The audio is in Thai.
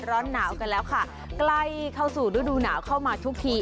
ร้อนหนาวกันแล้วค่ะใกล้เข้าสู่ฤดูหนาวเข้ามาทุกที